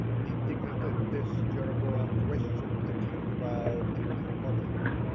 Indignant at this, Jeroboam questioned the king about it in public.